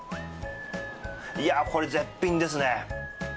これ、絶品ですね。